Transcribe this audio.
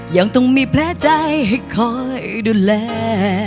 ยังต้องมีแผลใจให้คอยดูแล